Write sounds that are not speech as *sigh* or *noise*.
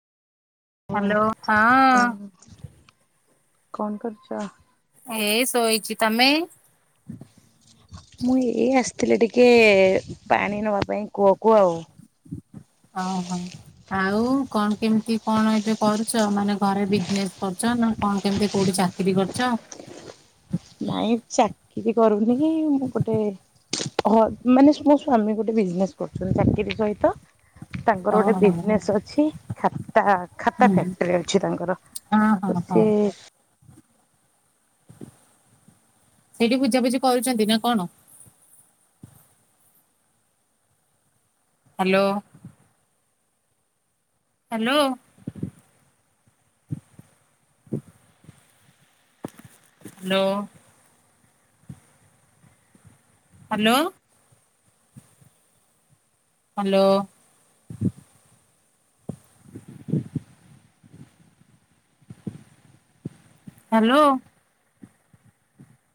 Hello ହଁଅ। ହଁ କଣ କରୁଚ? ଏଇ ଶୋଇଚି। ତମେ? ମୁଁ ଏଇ ଆସିଥିଲି ଟିକେ ପାଣି ନବା ପାଇଁ କୂଅକୁ ଆଉ। ହଁ ହଁ। ଆଉ କଣ କେମିତି କଣ ଏବେ କରୁଚ ମାନେ ଘରେ ବିଜନେସ୍ କରୁଚ ନା କଣ କେମିତି କୋଉଠି ଚାକିରି କରିଚ? ନାଇଁ ଚାକିରି କରୁନି। ମୁଁ ଗୋଟେ ହଁ ମାନେ ସ୍ୱ ମୋ ସ୍ଵାମୀ ଗୋଟେ ବିଜନେସ୍ କରୁଚନ୍ତି ଚାକିର ସହିତ। ତାଙ୍କର ଗୋଟେ ଓହୋ ବିଜନେସ୍ ଅଛି ଖାତା ଖାତା ହୁଁ ଫ୍ୟାକ୍ଟ୍ରି ଅଛି ତାଙ୍କର। ହଁ ତ ହଁ ହଁ ସେ ସେଇଠି ବୁଝାବୁଝି କରୁଚନ୍ତି ନା କଣ? ହାଲୋ। ହାଲୋ। ହ ହାଲୋ। ହାଲୋ। ହାଲୋ। *inaudible* ହାଲୋ।